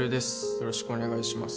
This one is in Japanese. よろしくお願いします